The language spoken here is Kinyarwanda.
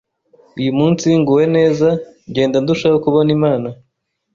uyu munsi nguwe neza, ngenda ndushaho kubona Imana